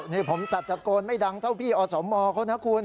นี่ผมตัดตะโกนไม่ดังเท่าพี่อสมเขานะคุณ